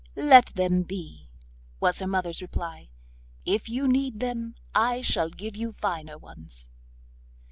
'Let them be,' was her mother's reply; 'if you need them I shall give you finer ones.